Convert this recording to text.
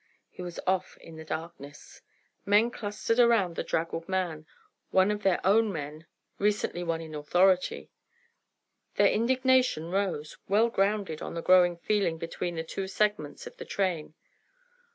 He was off in the darkness. Men clustered around the draggled man, one of their, own men, recently one in authority. Their indignation rose, well grounded on the growing feeling between the two segments of the train.